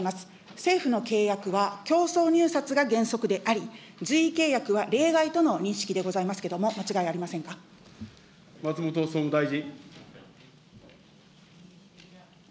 政府の契約は、競争入札が原則であり、随意契約は例外との認識でございますけども、間違いありま松本総務大臣。